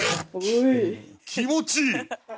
気持ちいい！